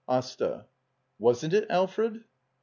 AsTA. Wasn't it, Alfred?